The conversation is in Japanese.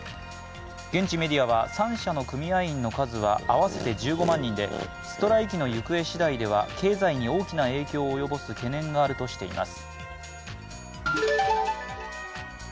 現地メディアは、３社の組合員の数は合わせて１５万人でストライキの行方次第では経済に大きな影響を及ぼす懸念があるとしています。